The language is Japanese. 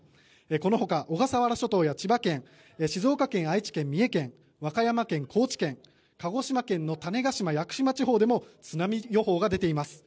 このほか小笠原諸島や千葉県、愛知県、静岡県、三重県和歌山県、高知県鹿児島県の種子島・屋久島地方でも津波予報が出ています。